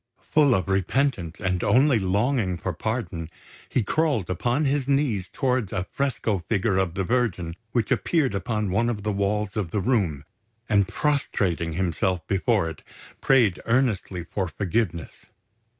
Full of repentance and only longing for pardon, he crawled upon his knees towards a fresco figure of the Virgin which appeared upon one of the walls of the room, and prostrating himself before it, prayed earnestly for forgiveness.